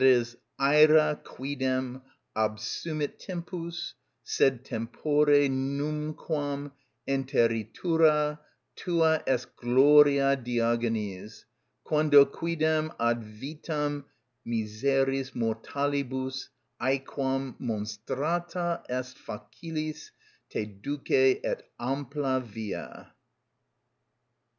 (Æra quidem absumit tempus, sed tempore numquam Interitura tua est gloria, Diogenes: Quandoquidem ad vitam miseris mortalibus æquam _Monstrata est facilis, te duce, et ampla via.